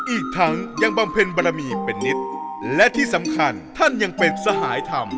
อีกทั้งยังบำเพ็ญบารมีเป็นนิตและที่สำคัญท่านยังเป็นสหายธรรม